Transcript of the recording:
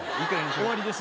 終わりです。